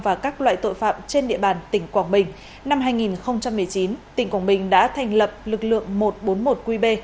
và các loại tội phạm trên địa bàn tỉnh quảng bình năm hai nghìn một mươi chín tỉnh quảng bình đã thành lập lực lượng một trăm bốn mươi một qb